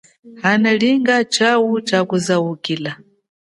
Ana malinga chau chakuzaukila.